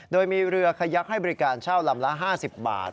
โดยมีเรือขยักให้บริการเช่าลำละ๕๐บาท